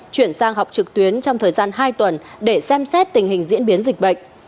chuyển sang học trực tuyến trong thời gian hai tuần để xem xét tình hình diễn biến dịch bệnh